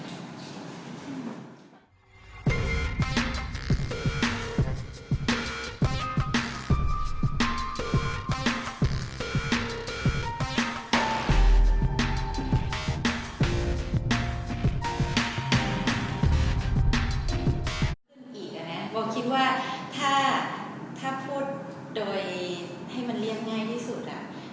แบบนี้สิ่งที่เราคิดว่าถ้าพูดโดยให้มันเรียงง่ายที่สุด